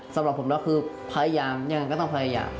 สำหรับผมแล้วคือพยายามยังไงก็ต้องพยายาม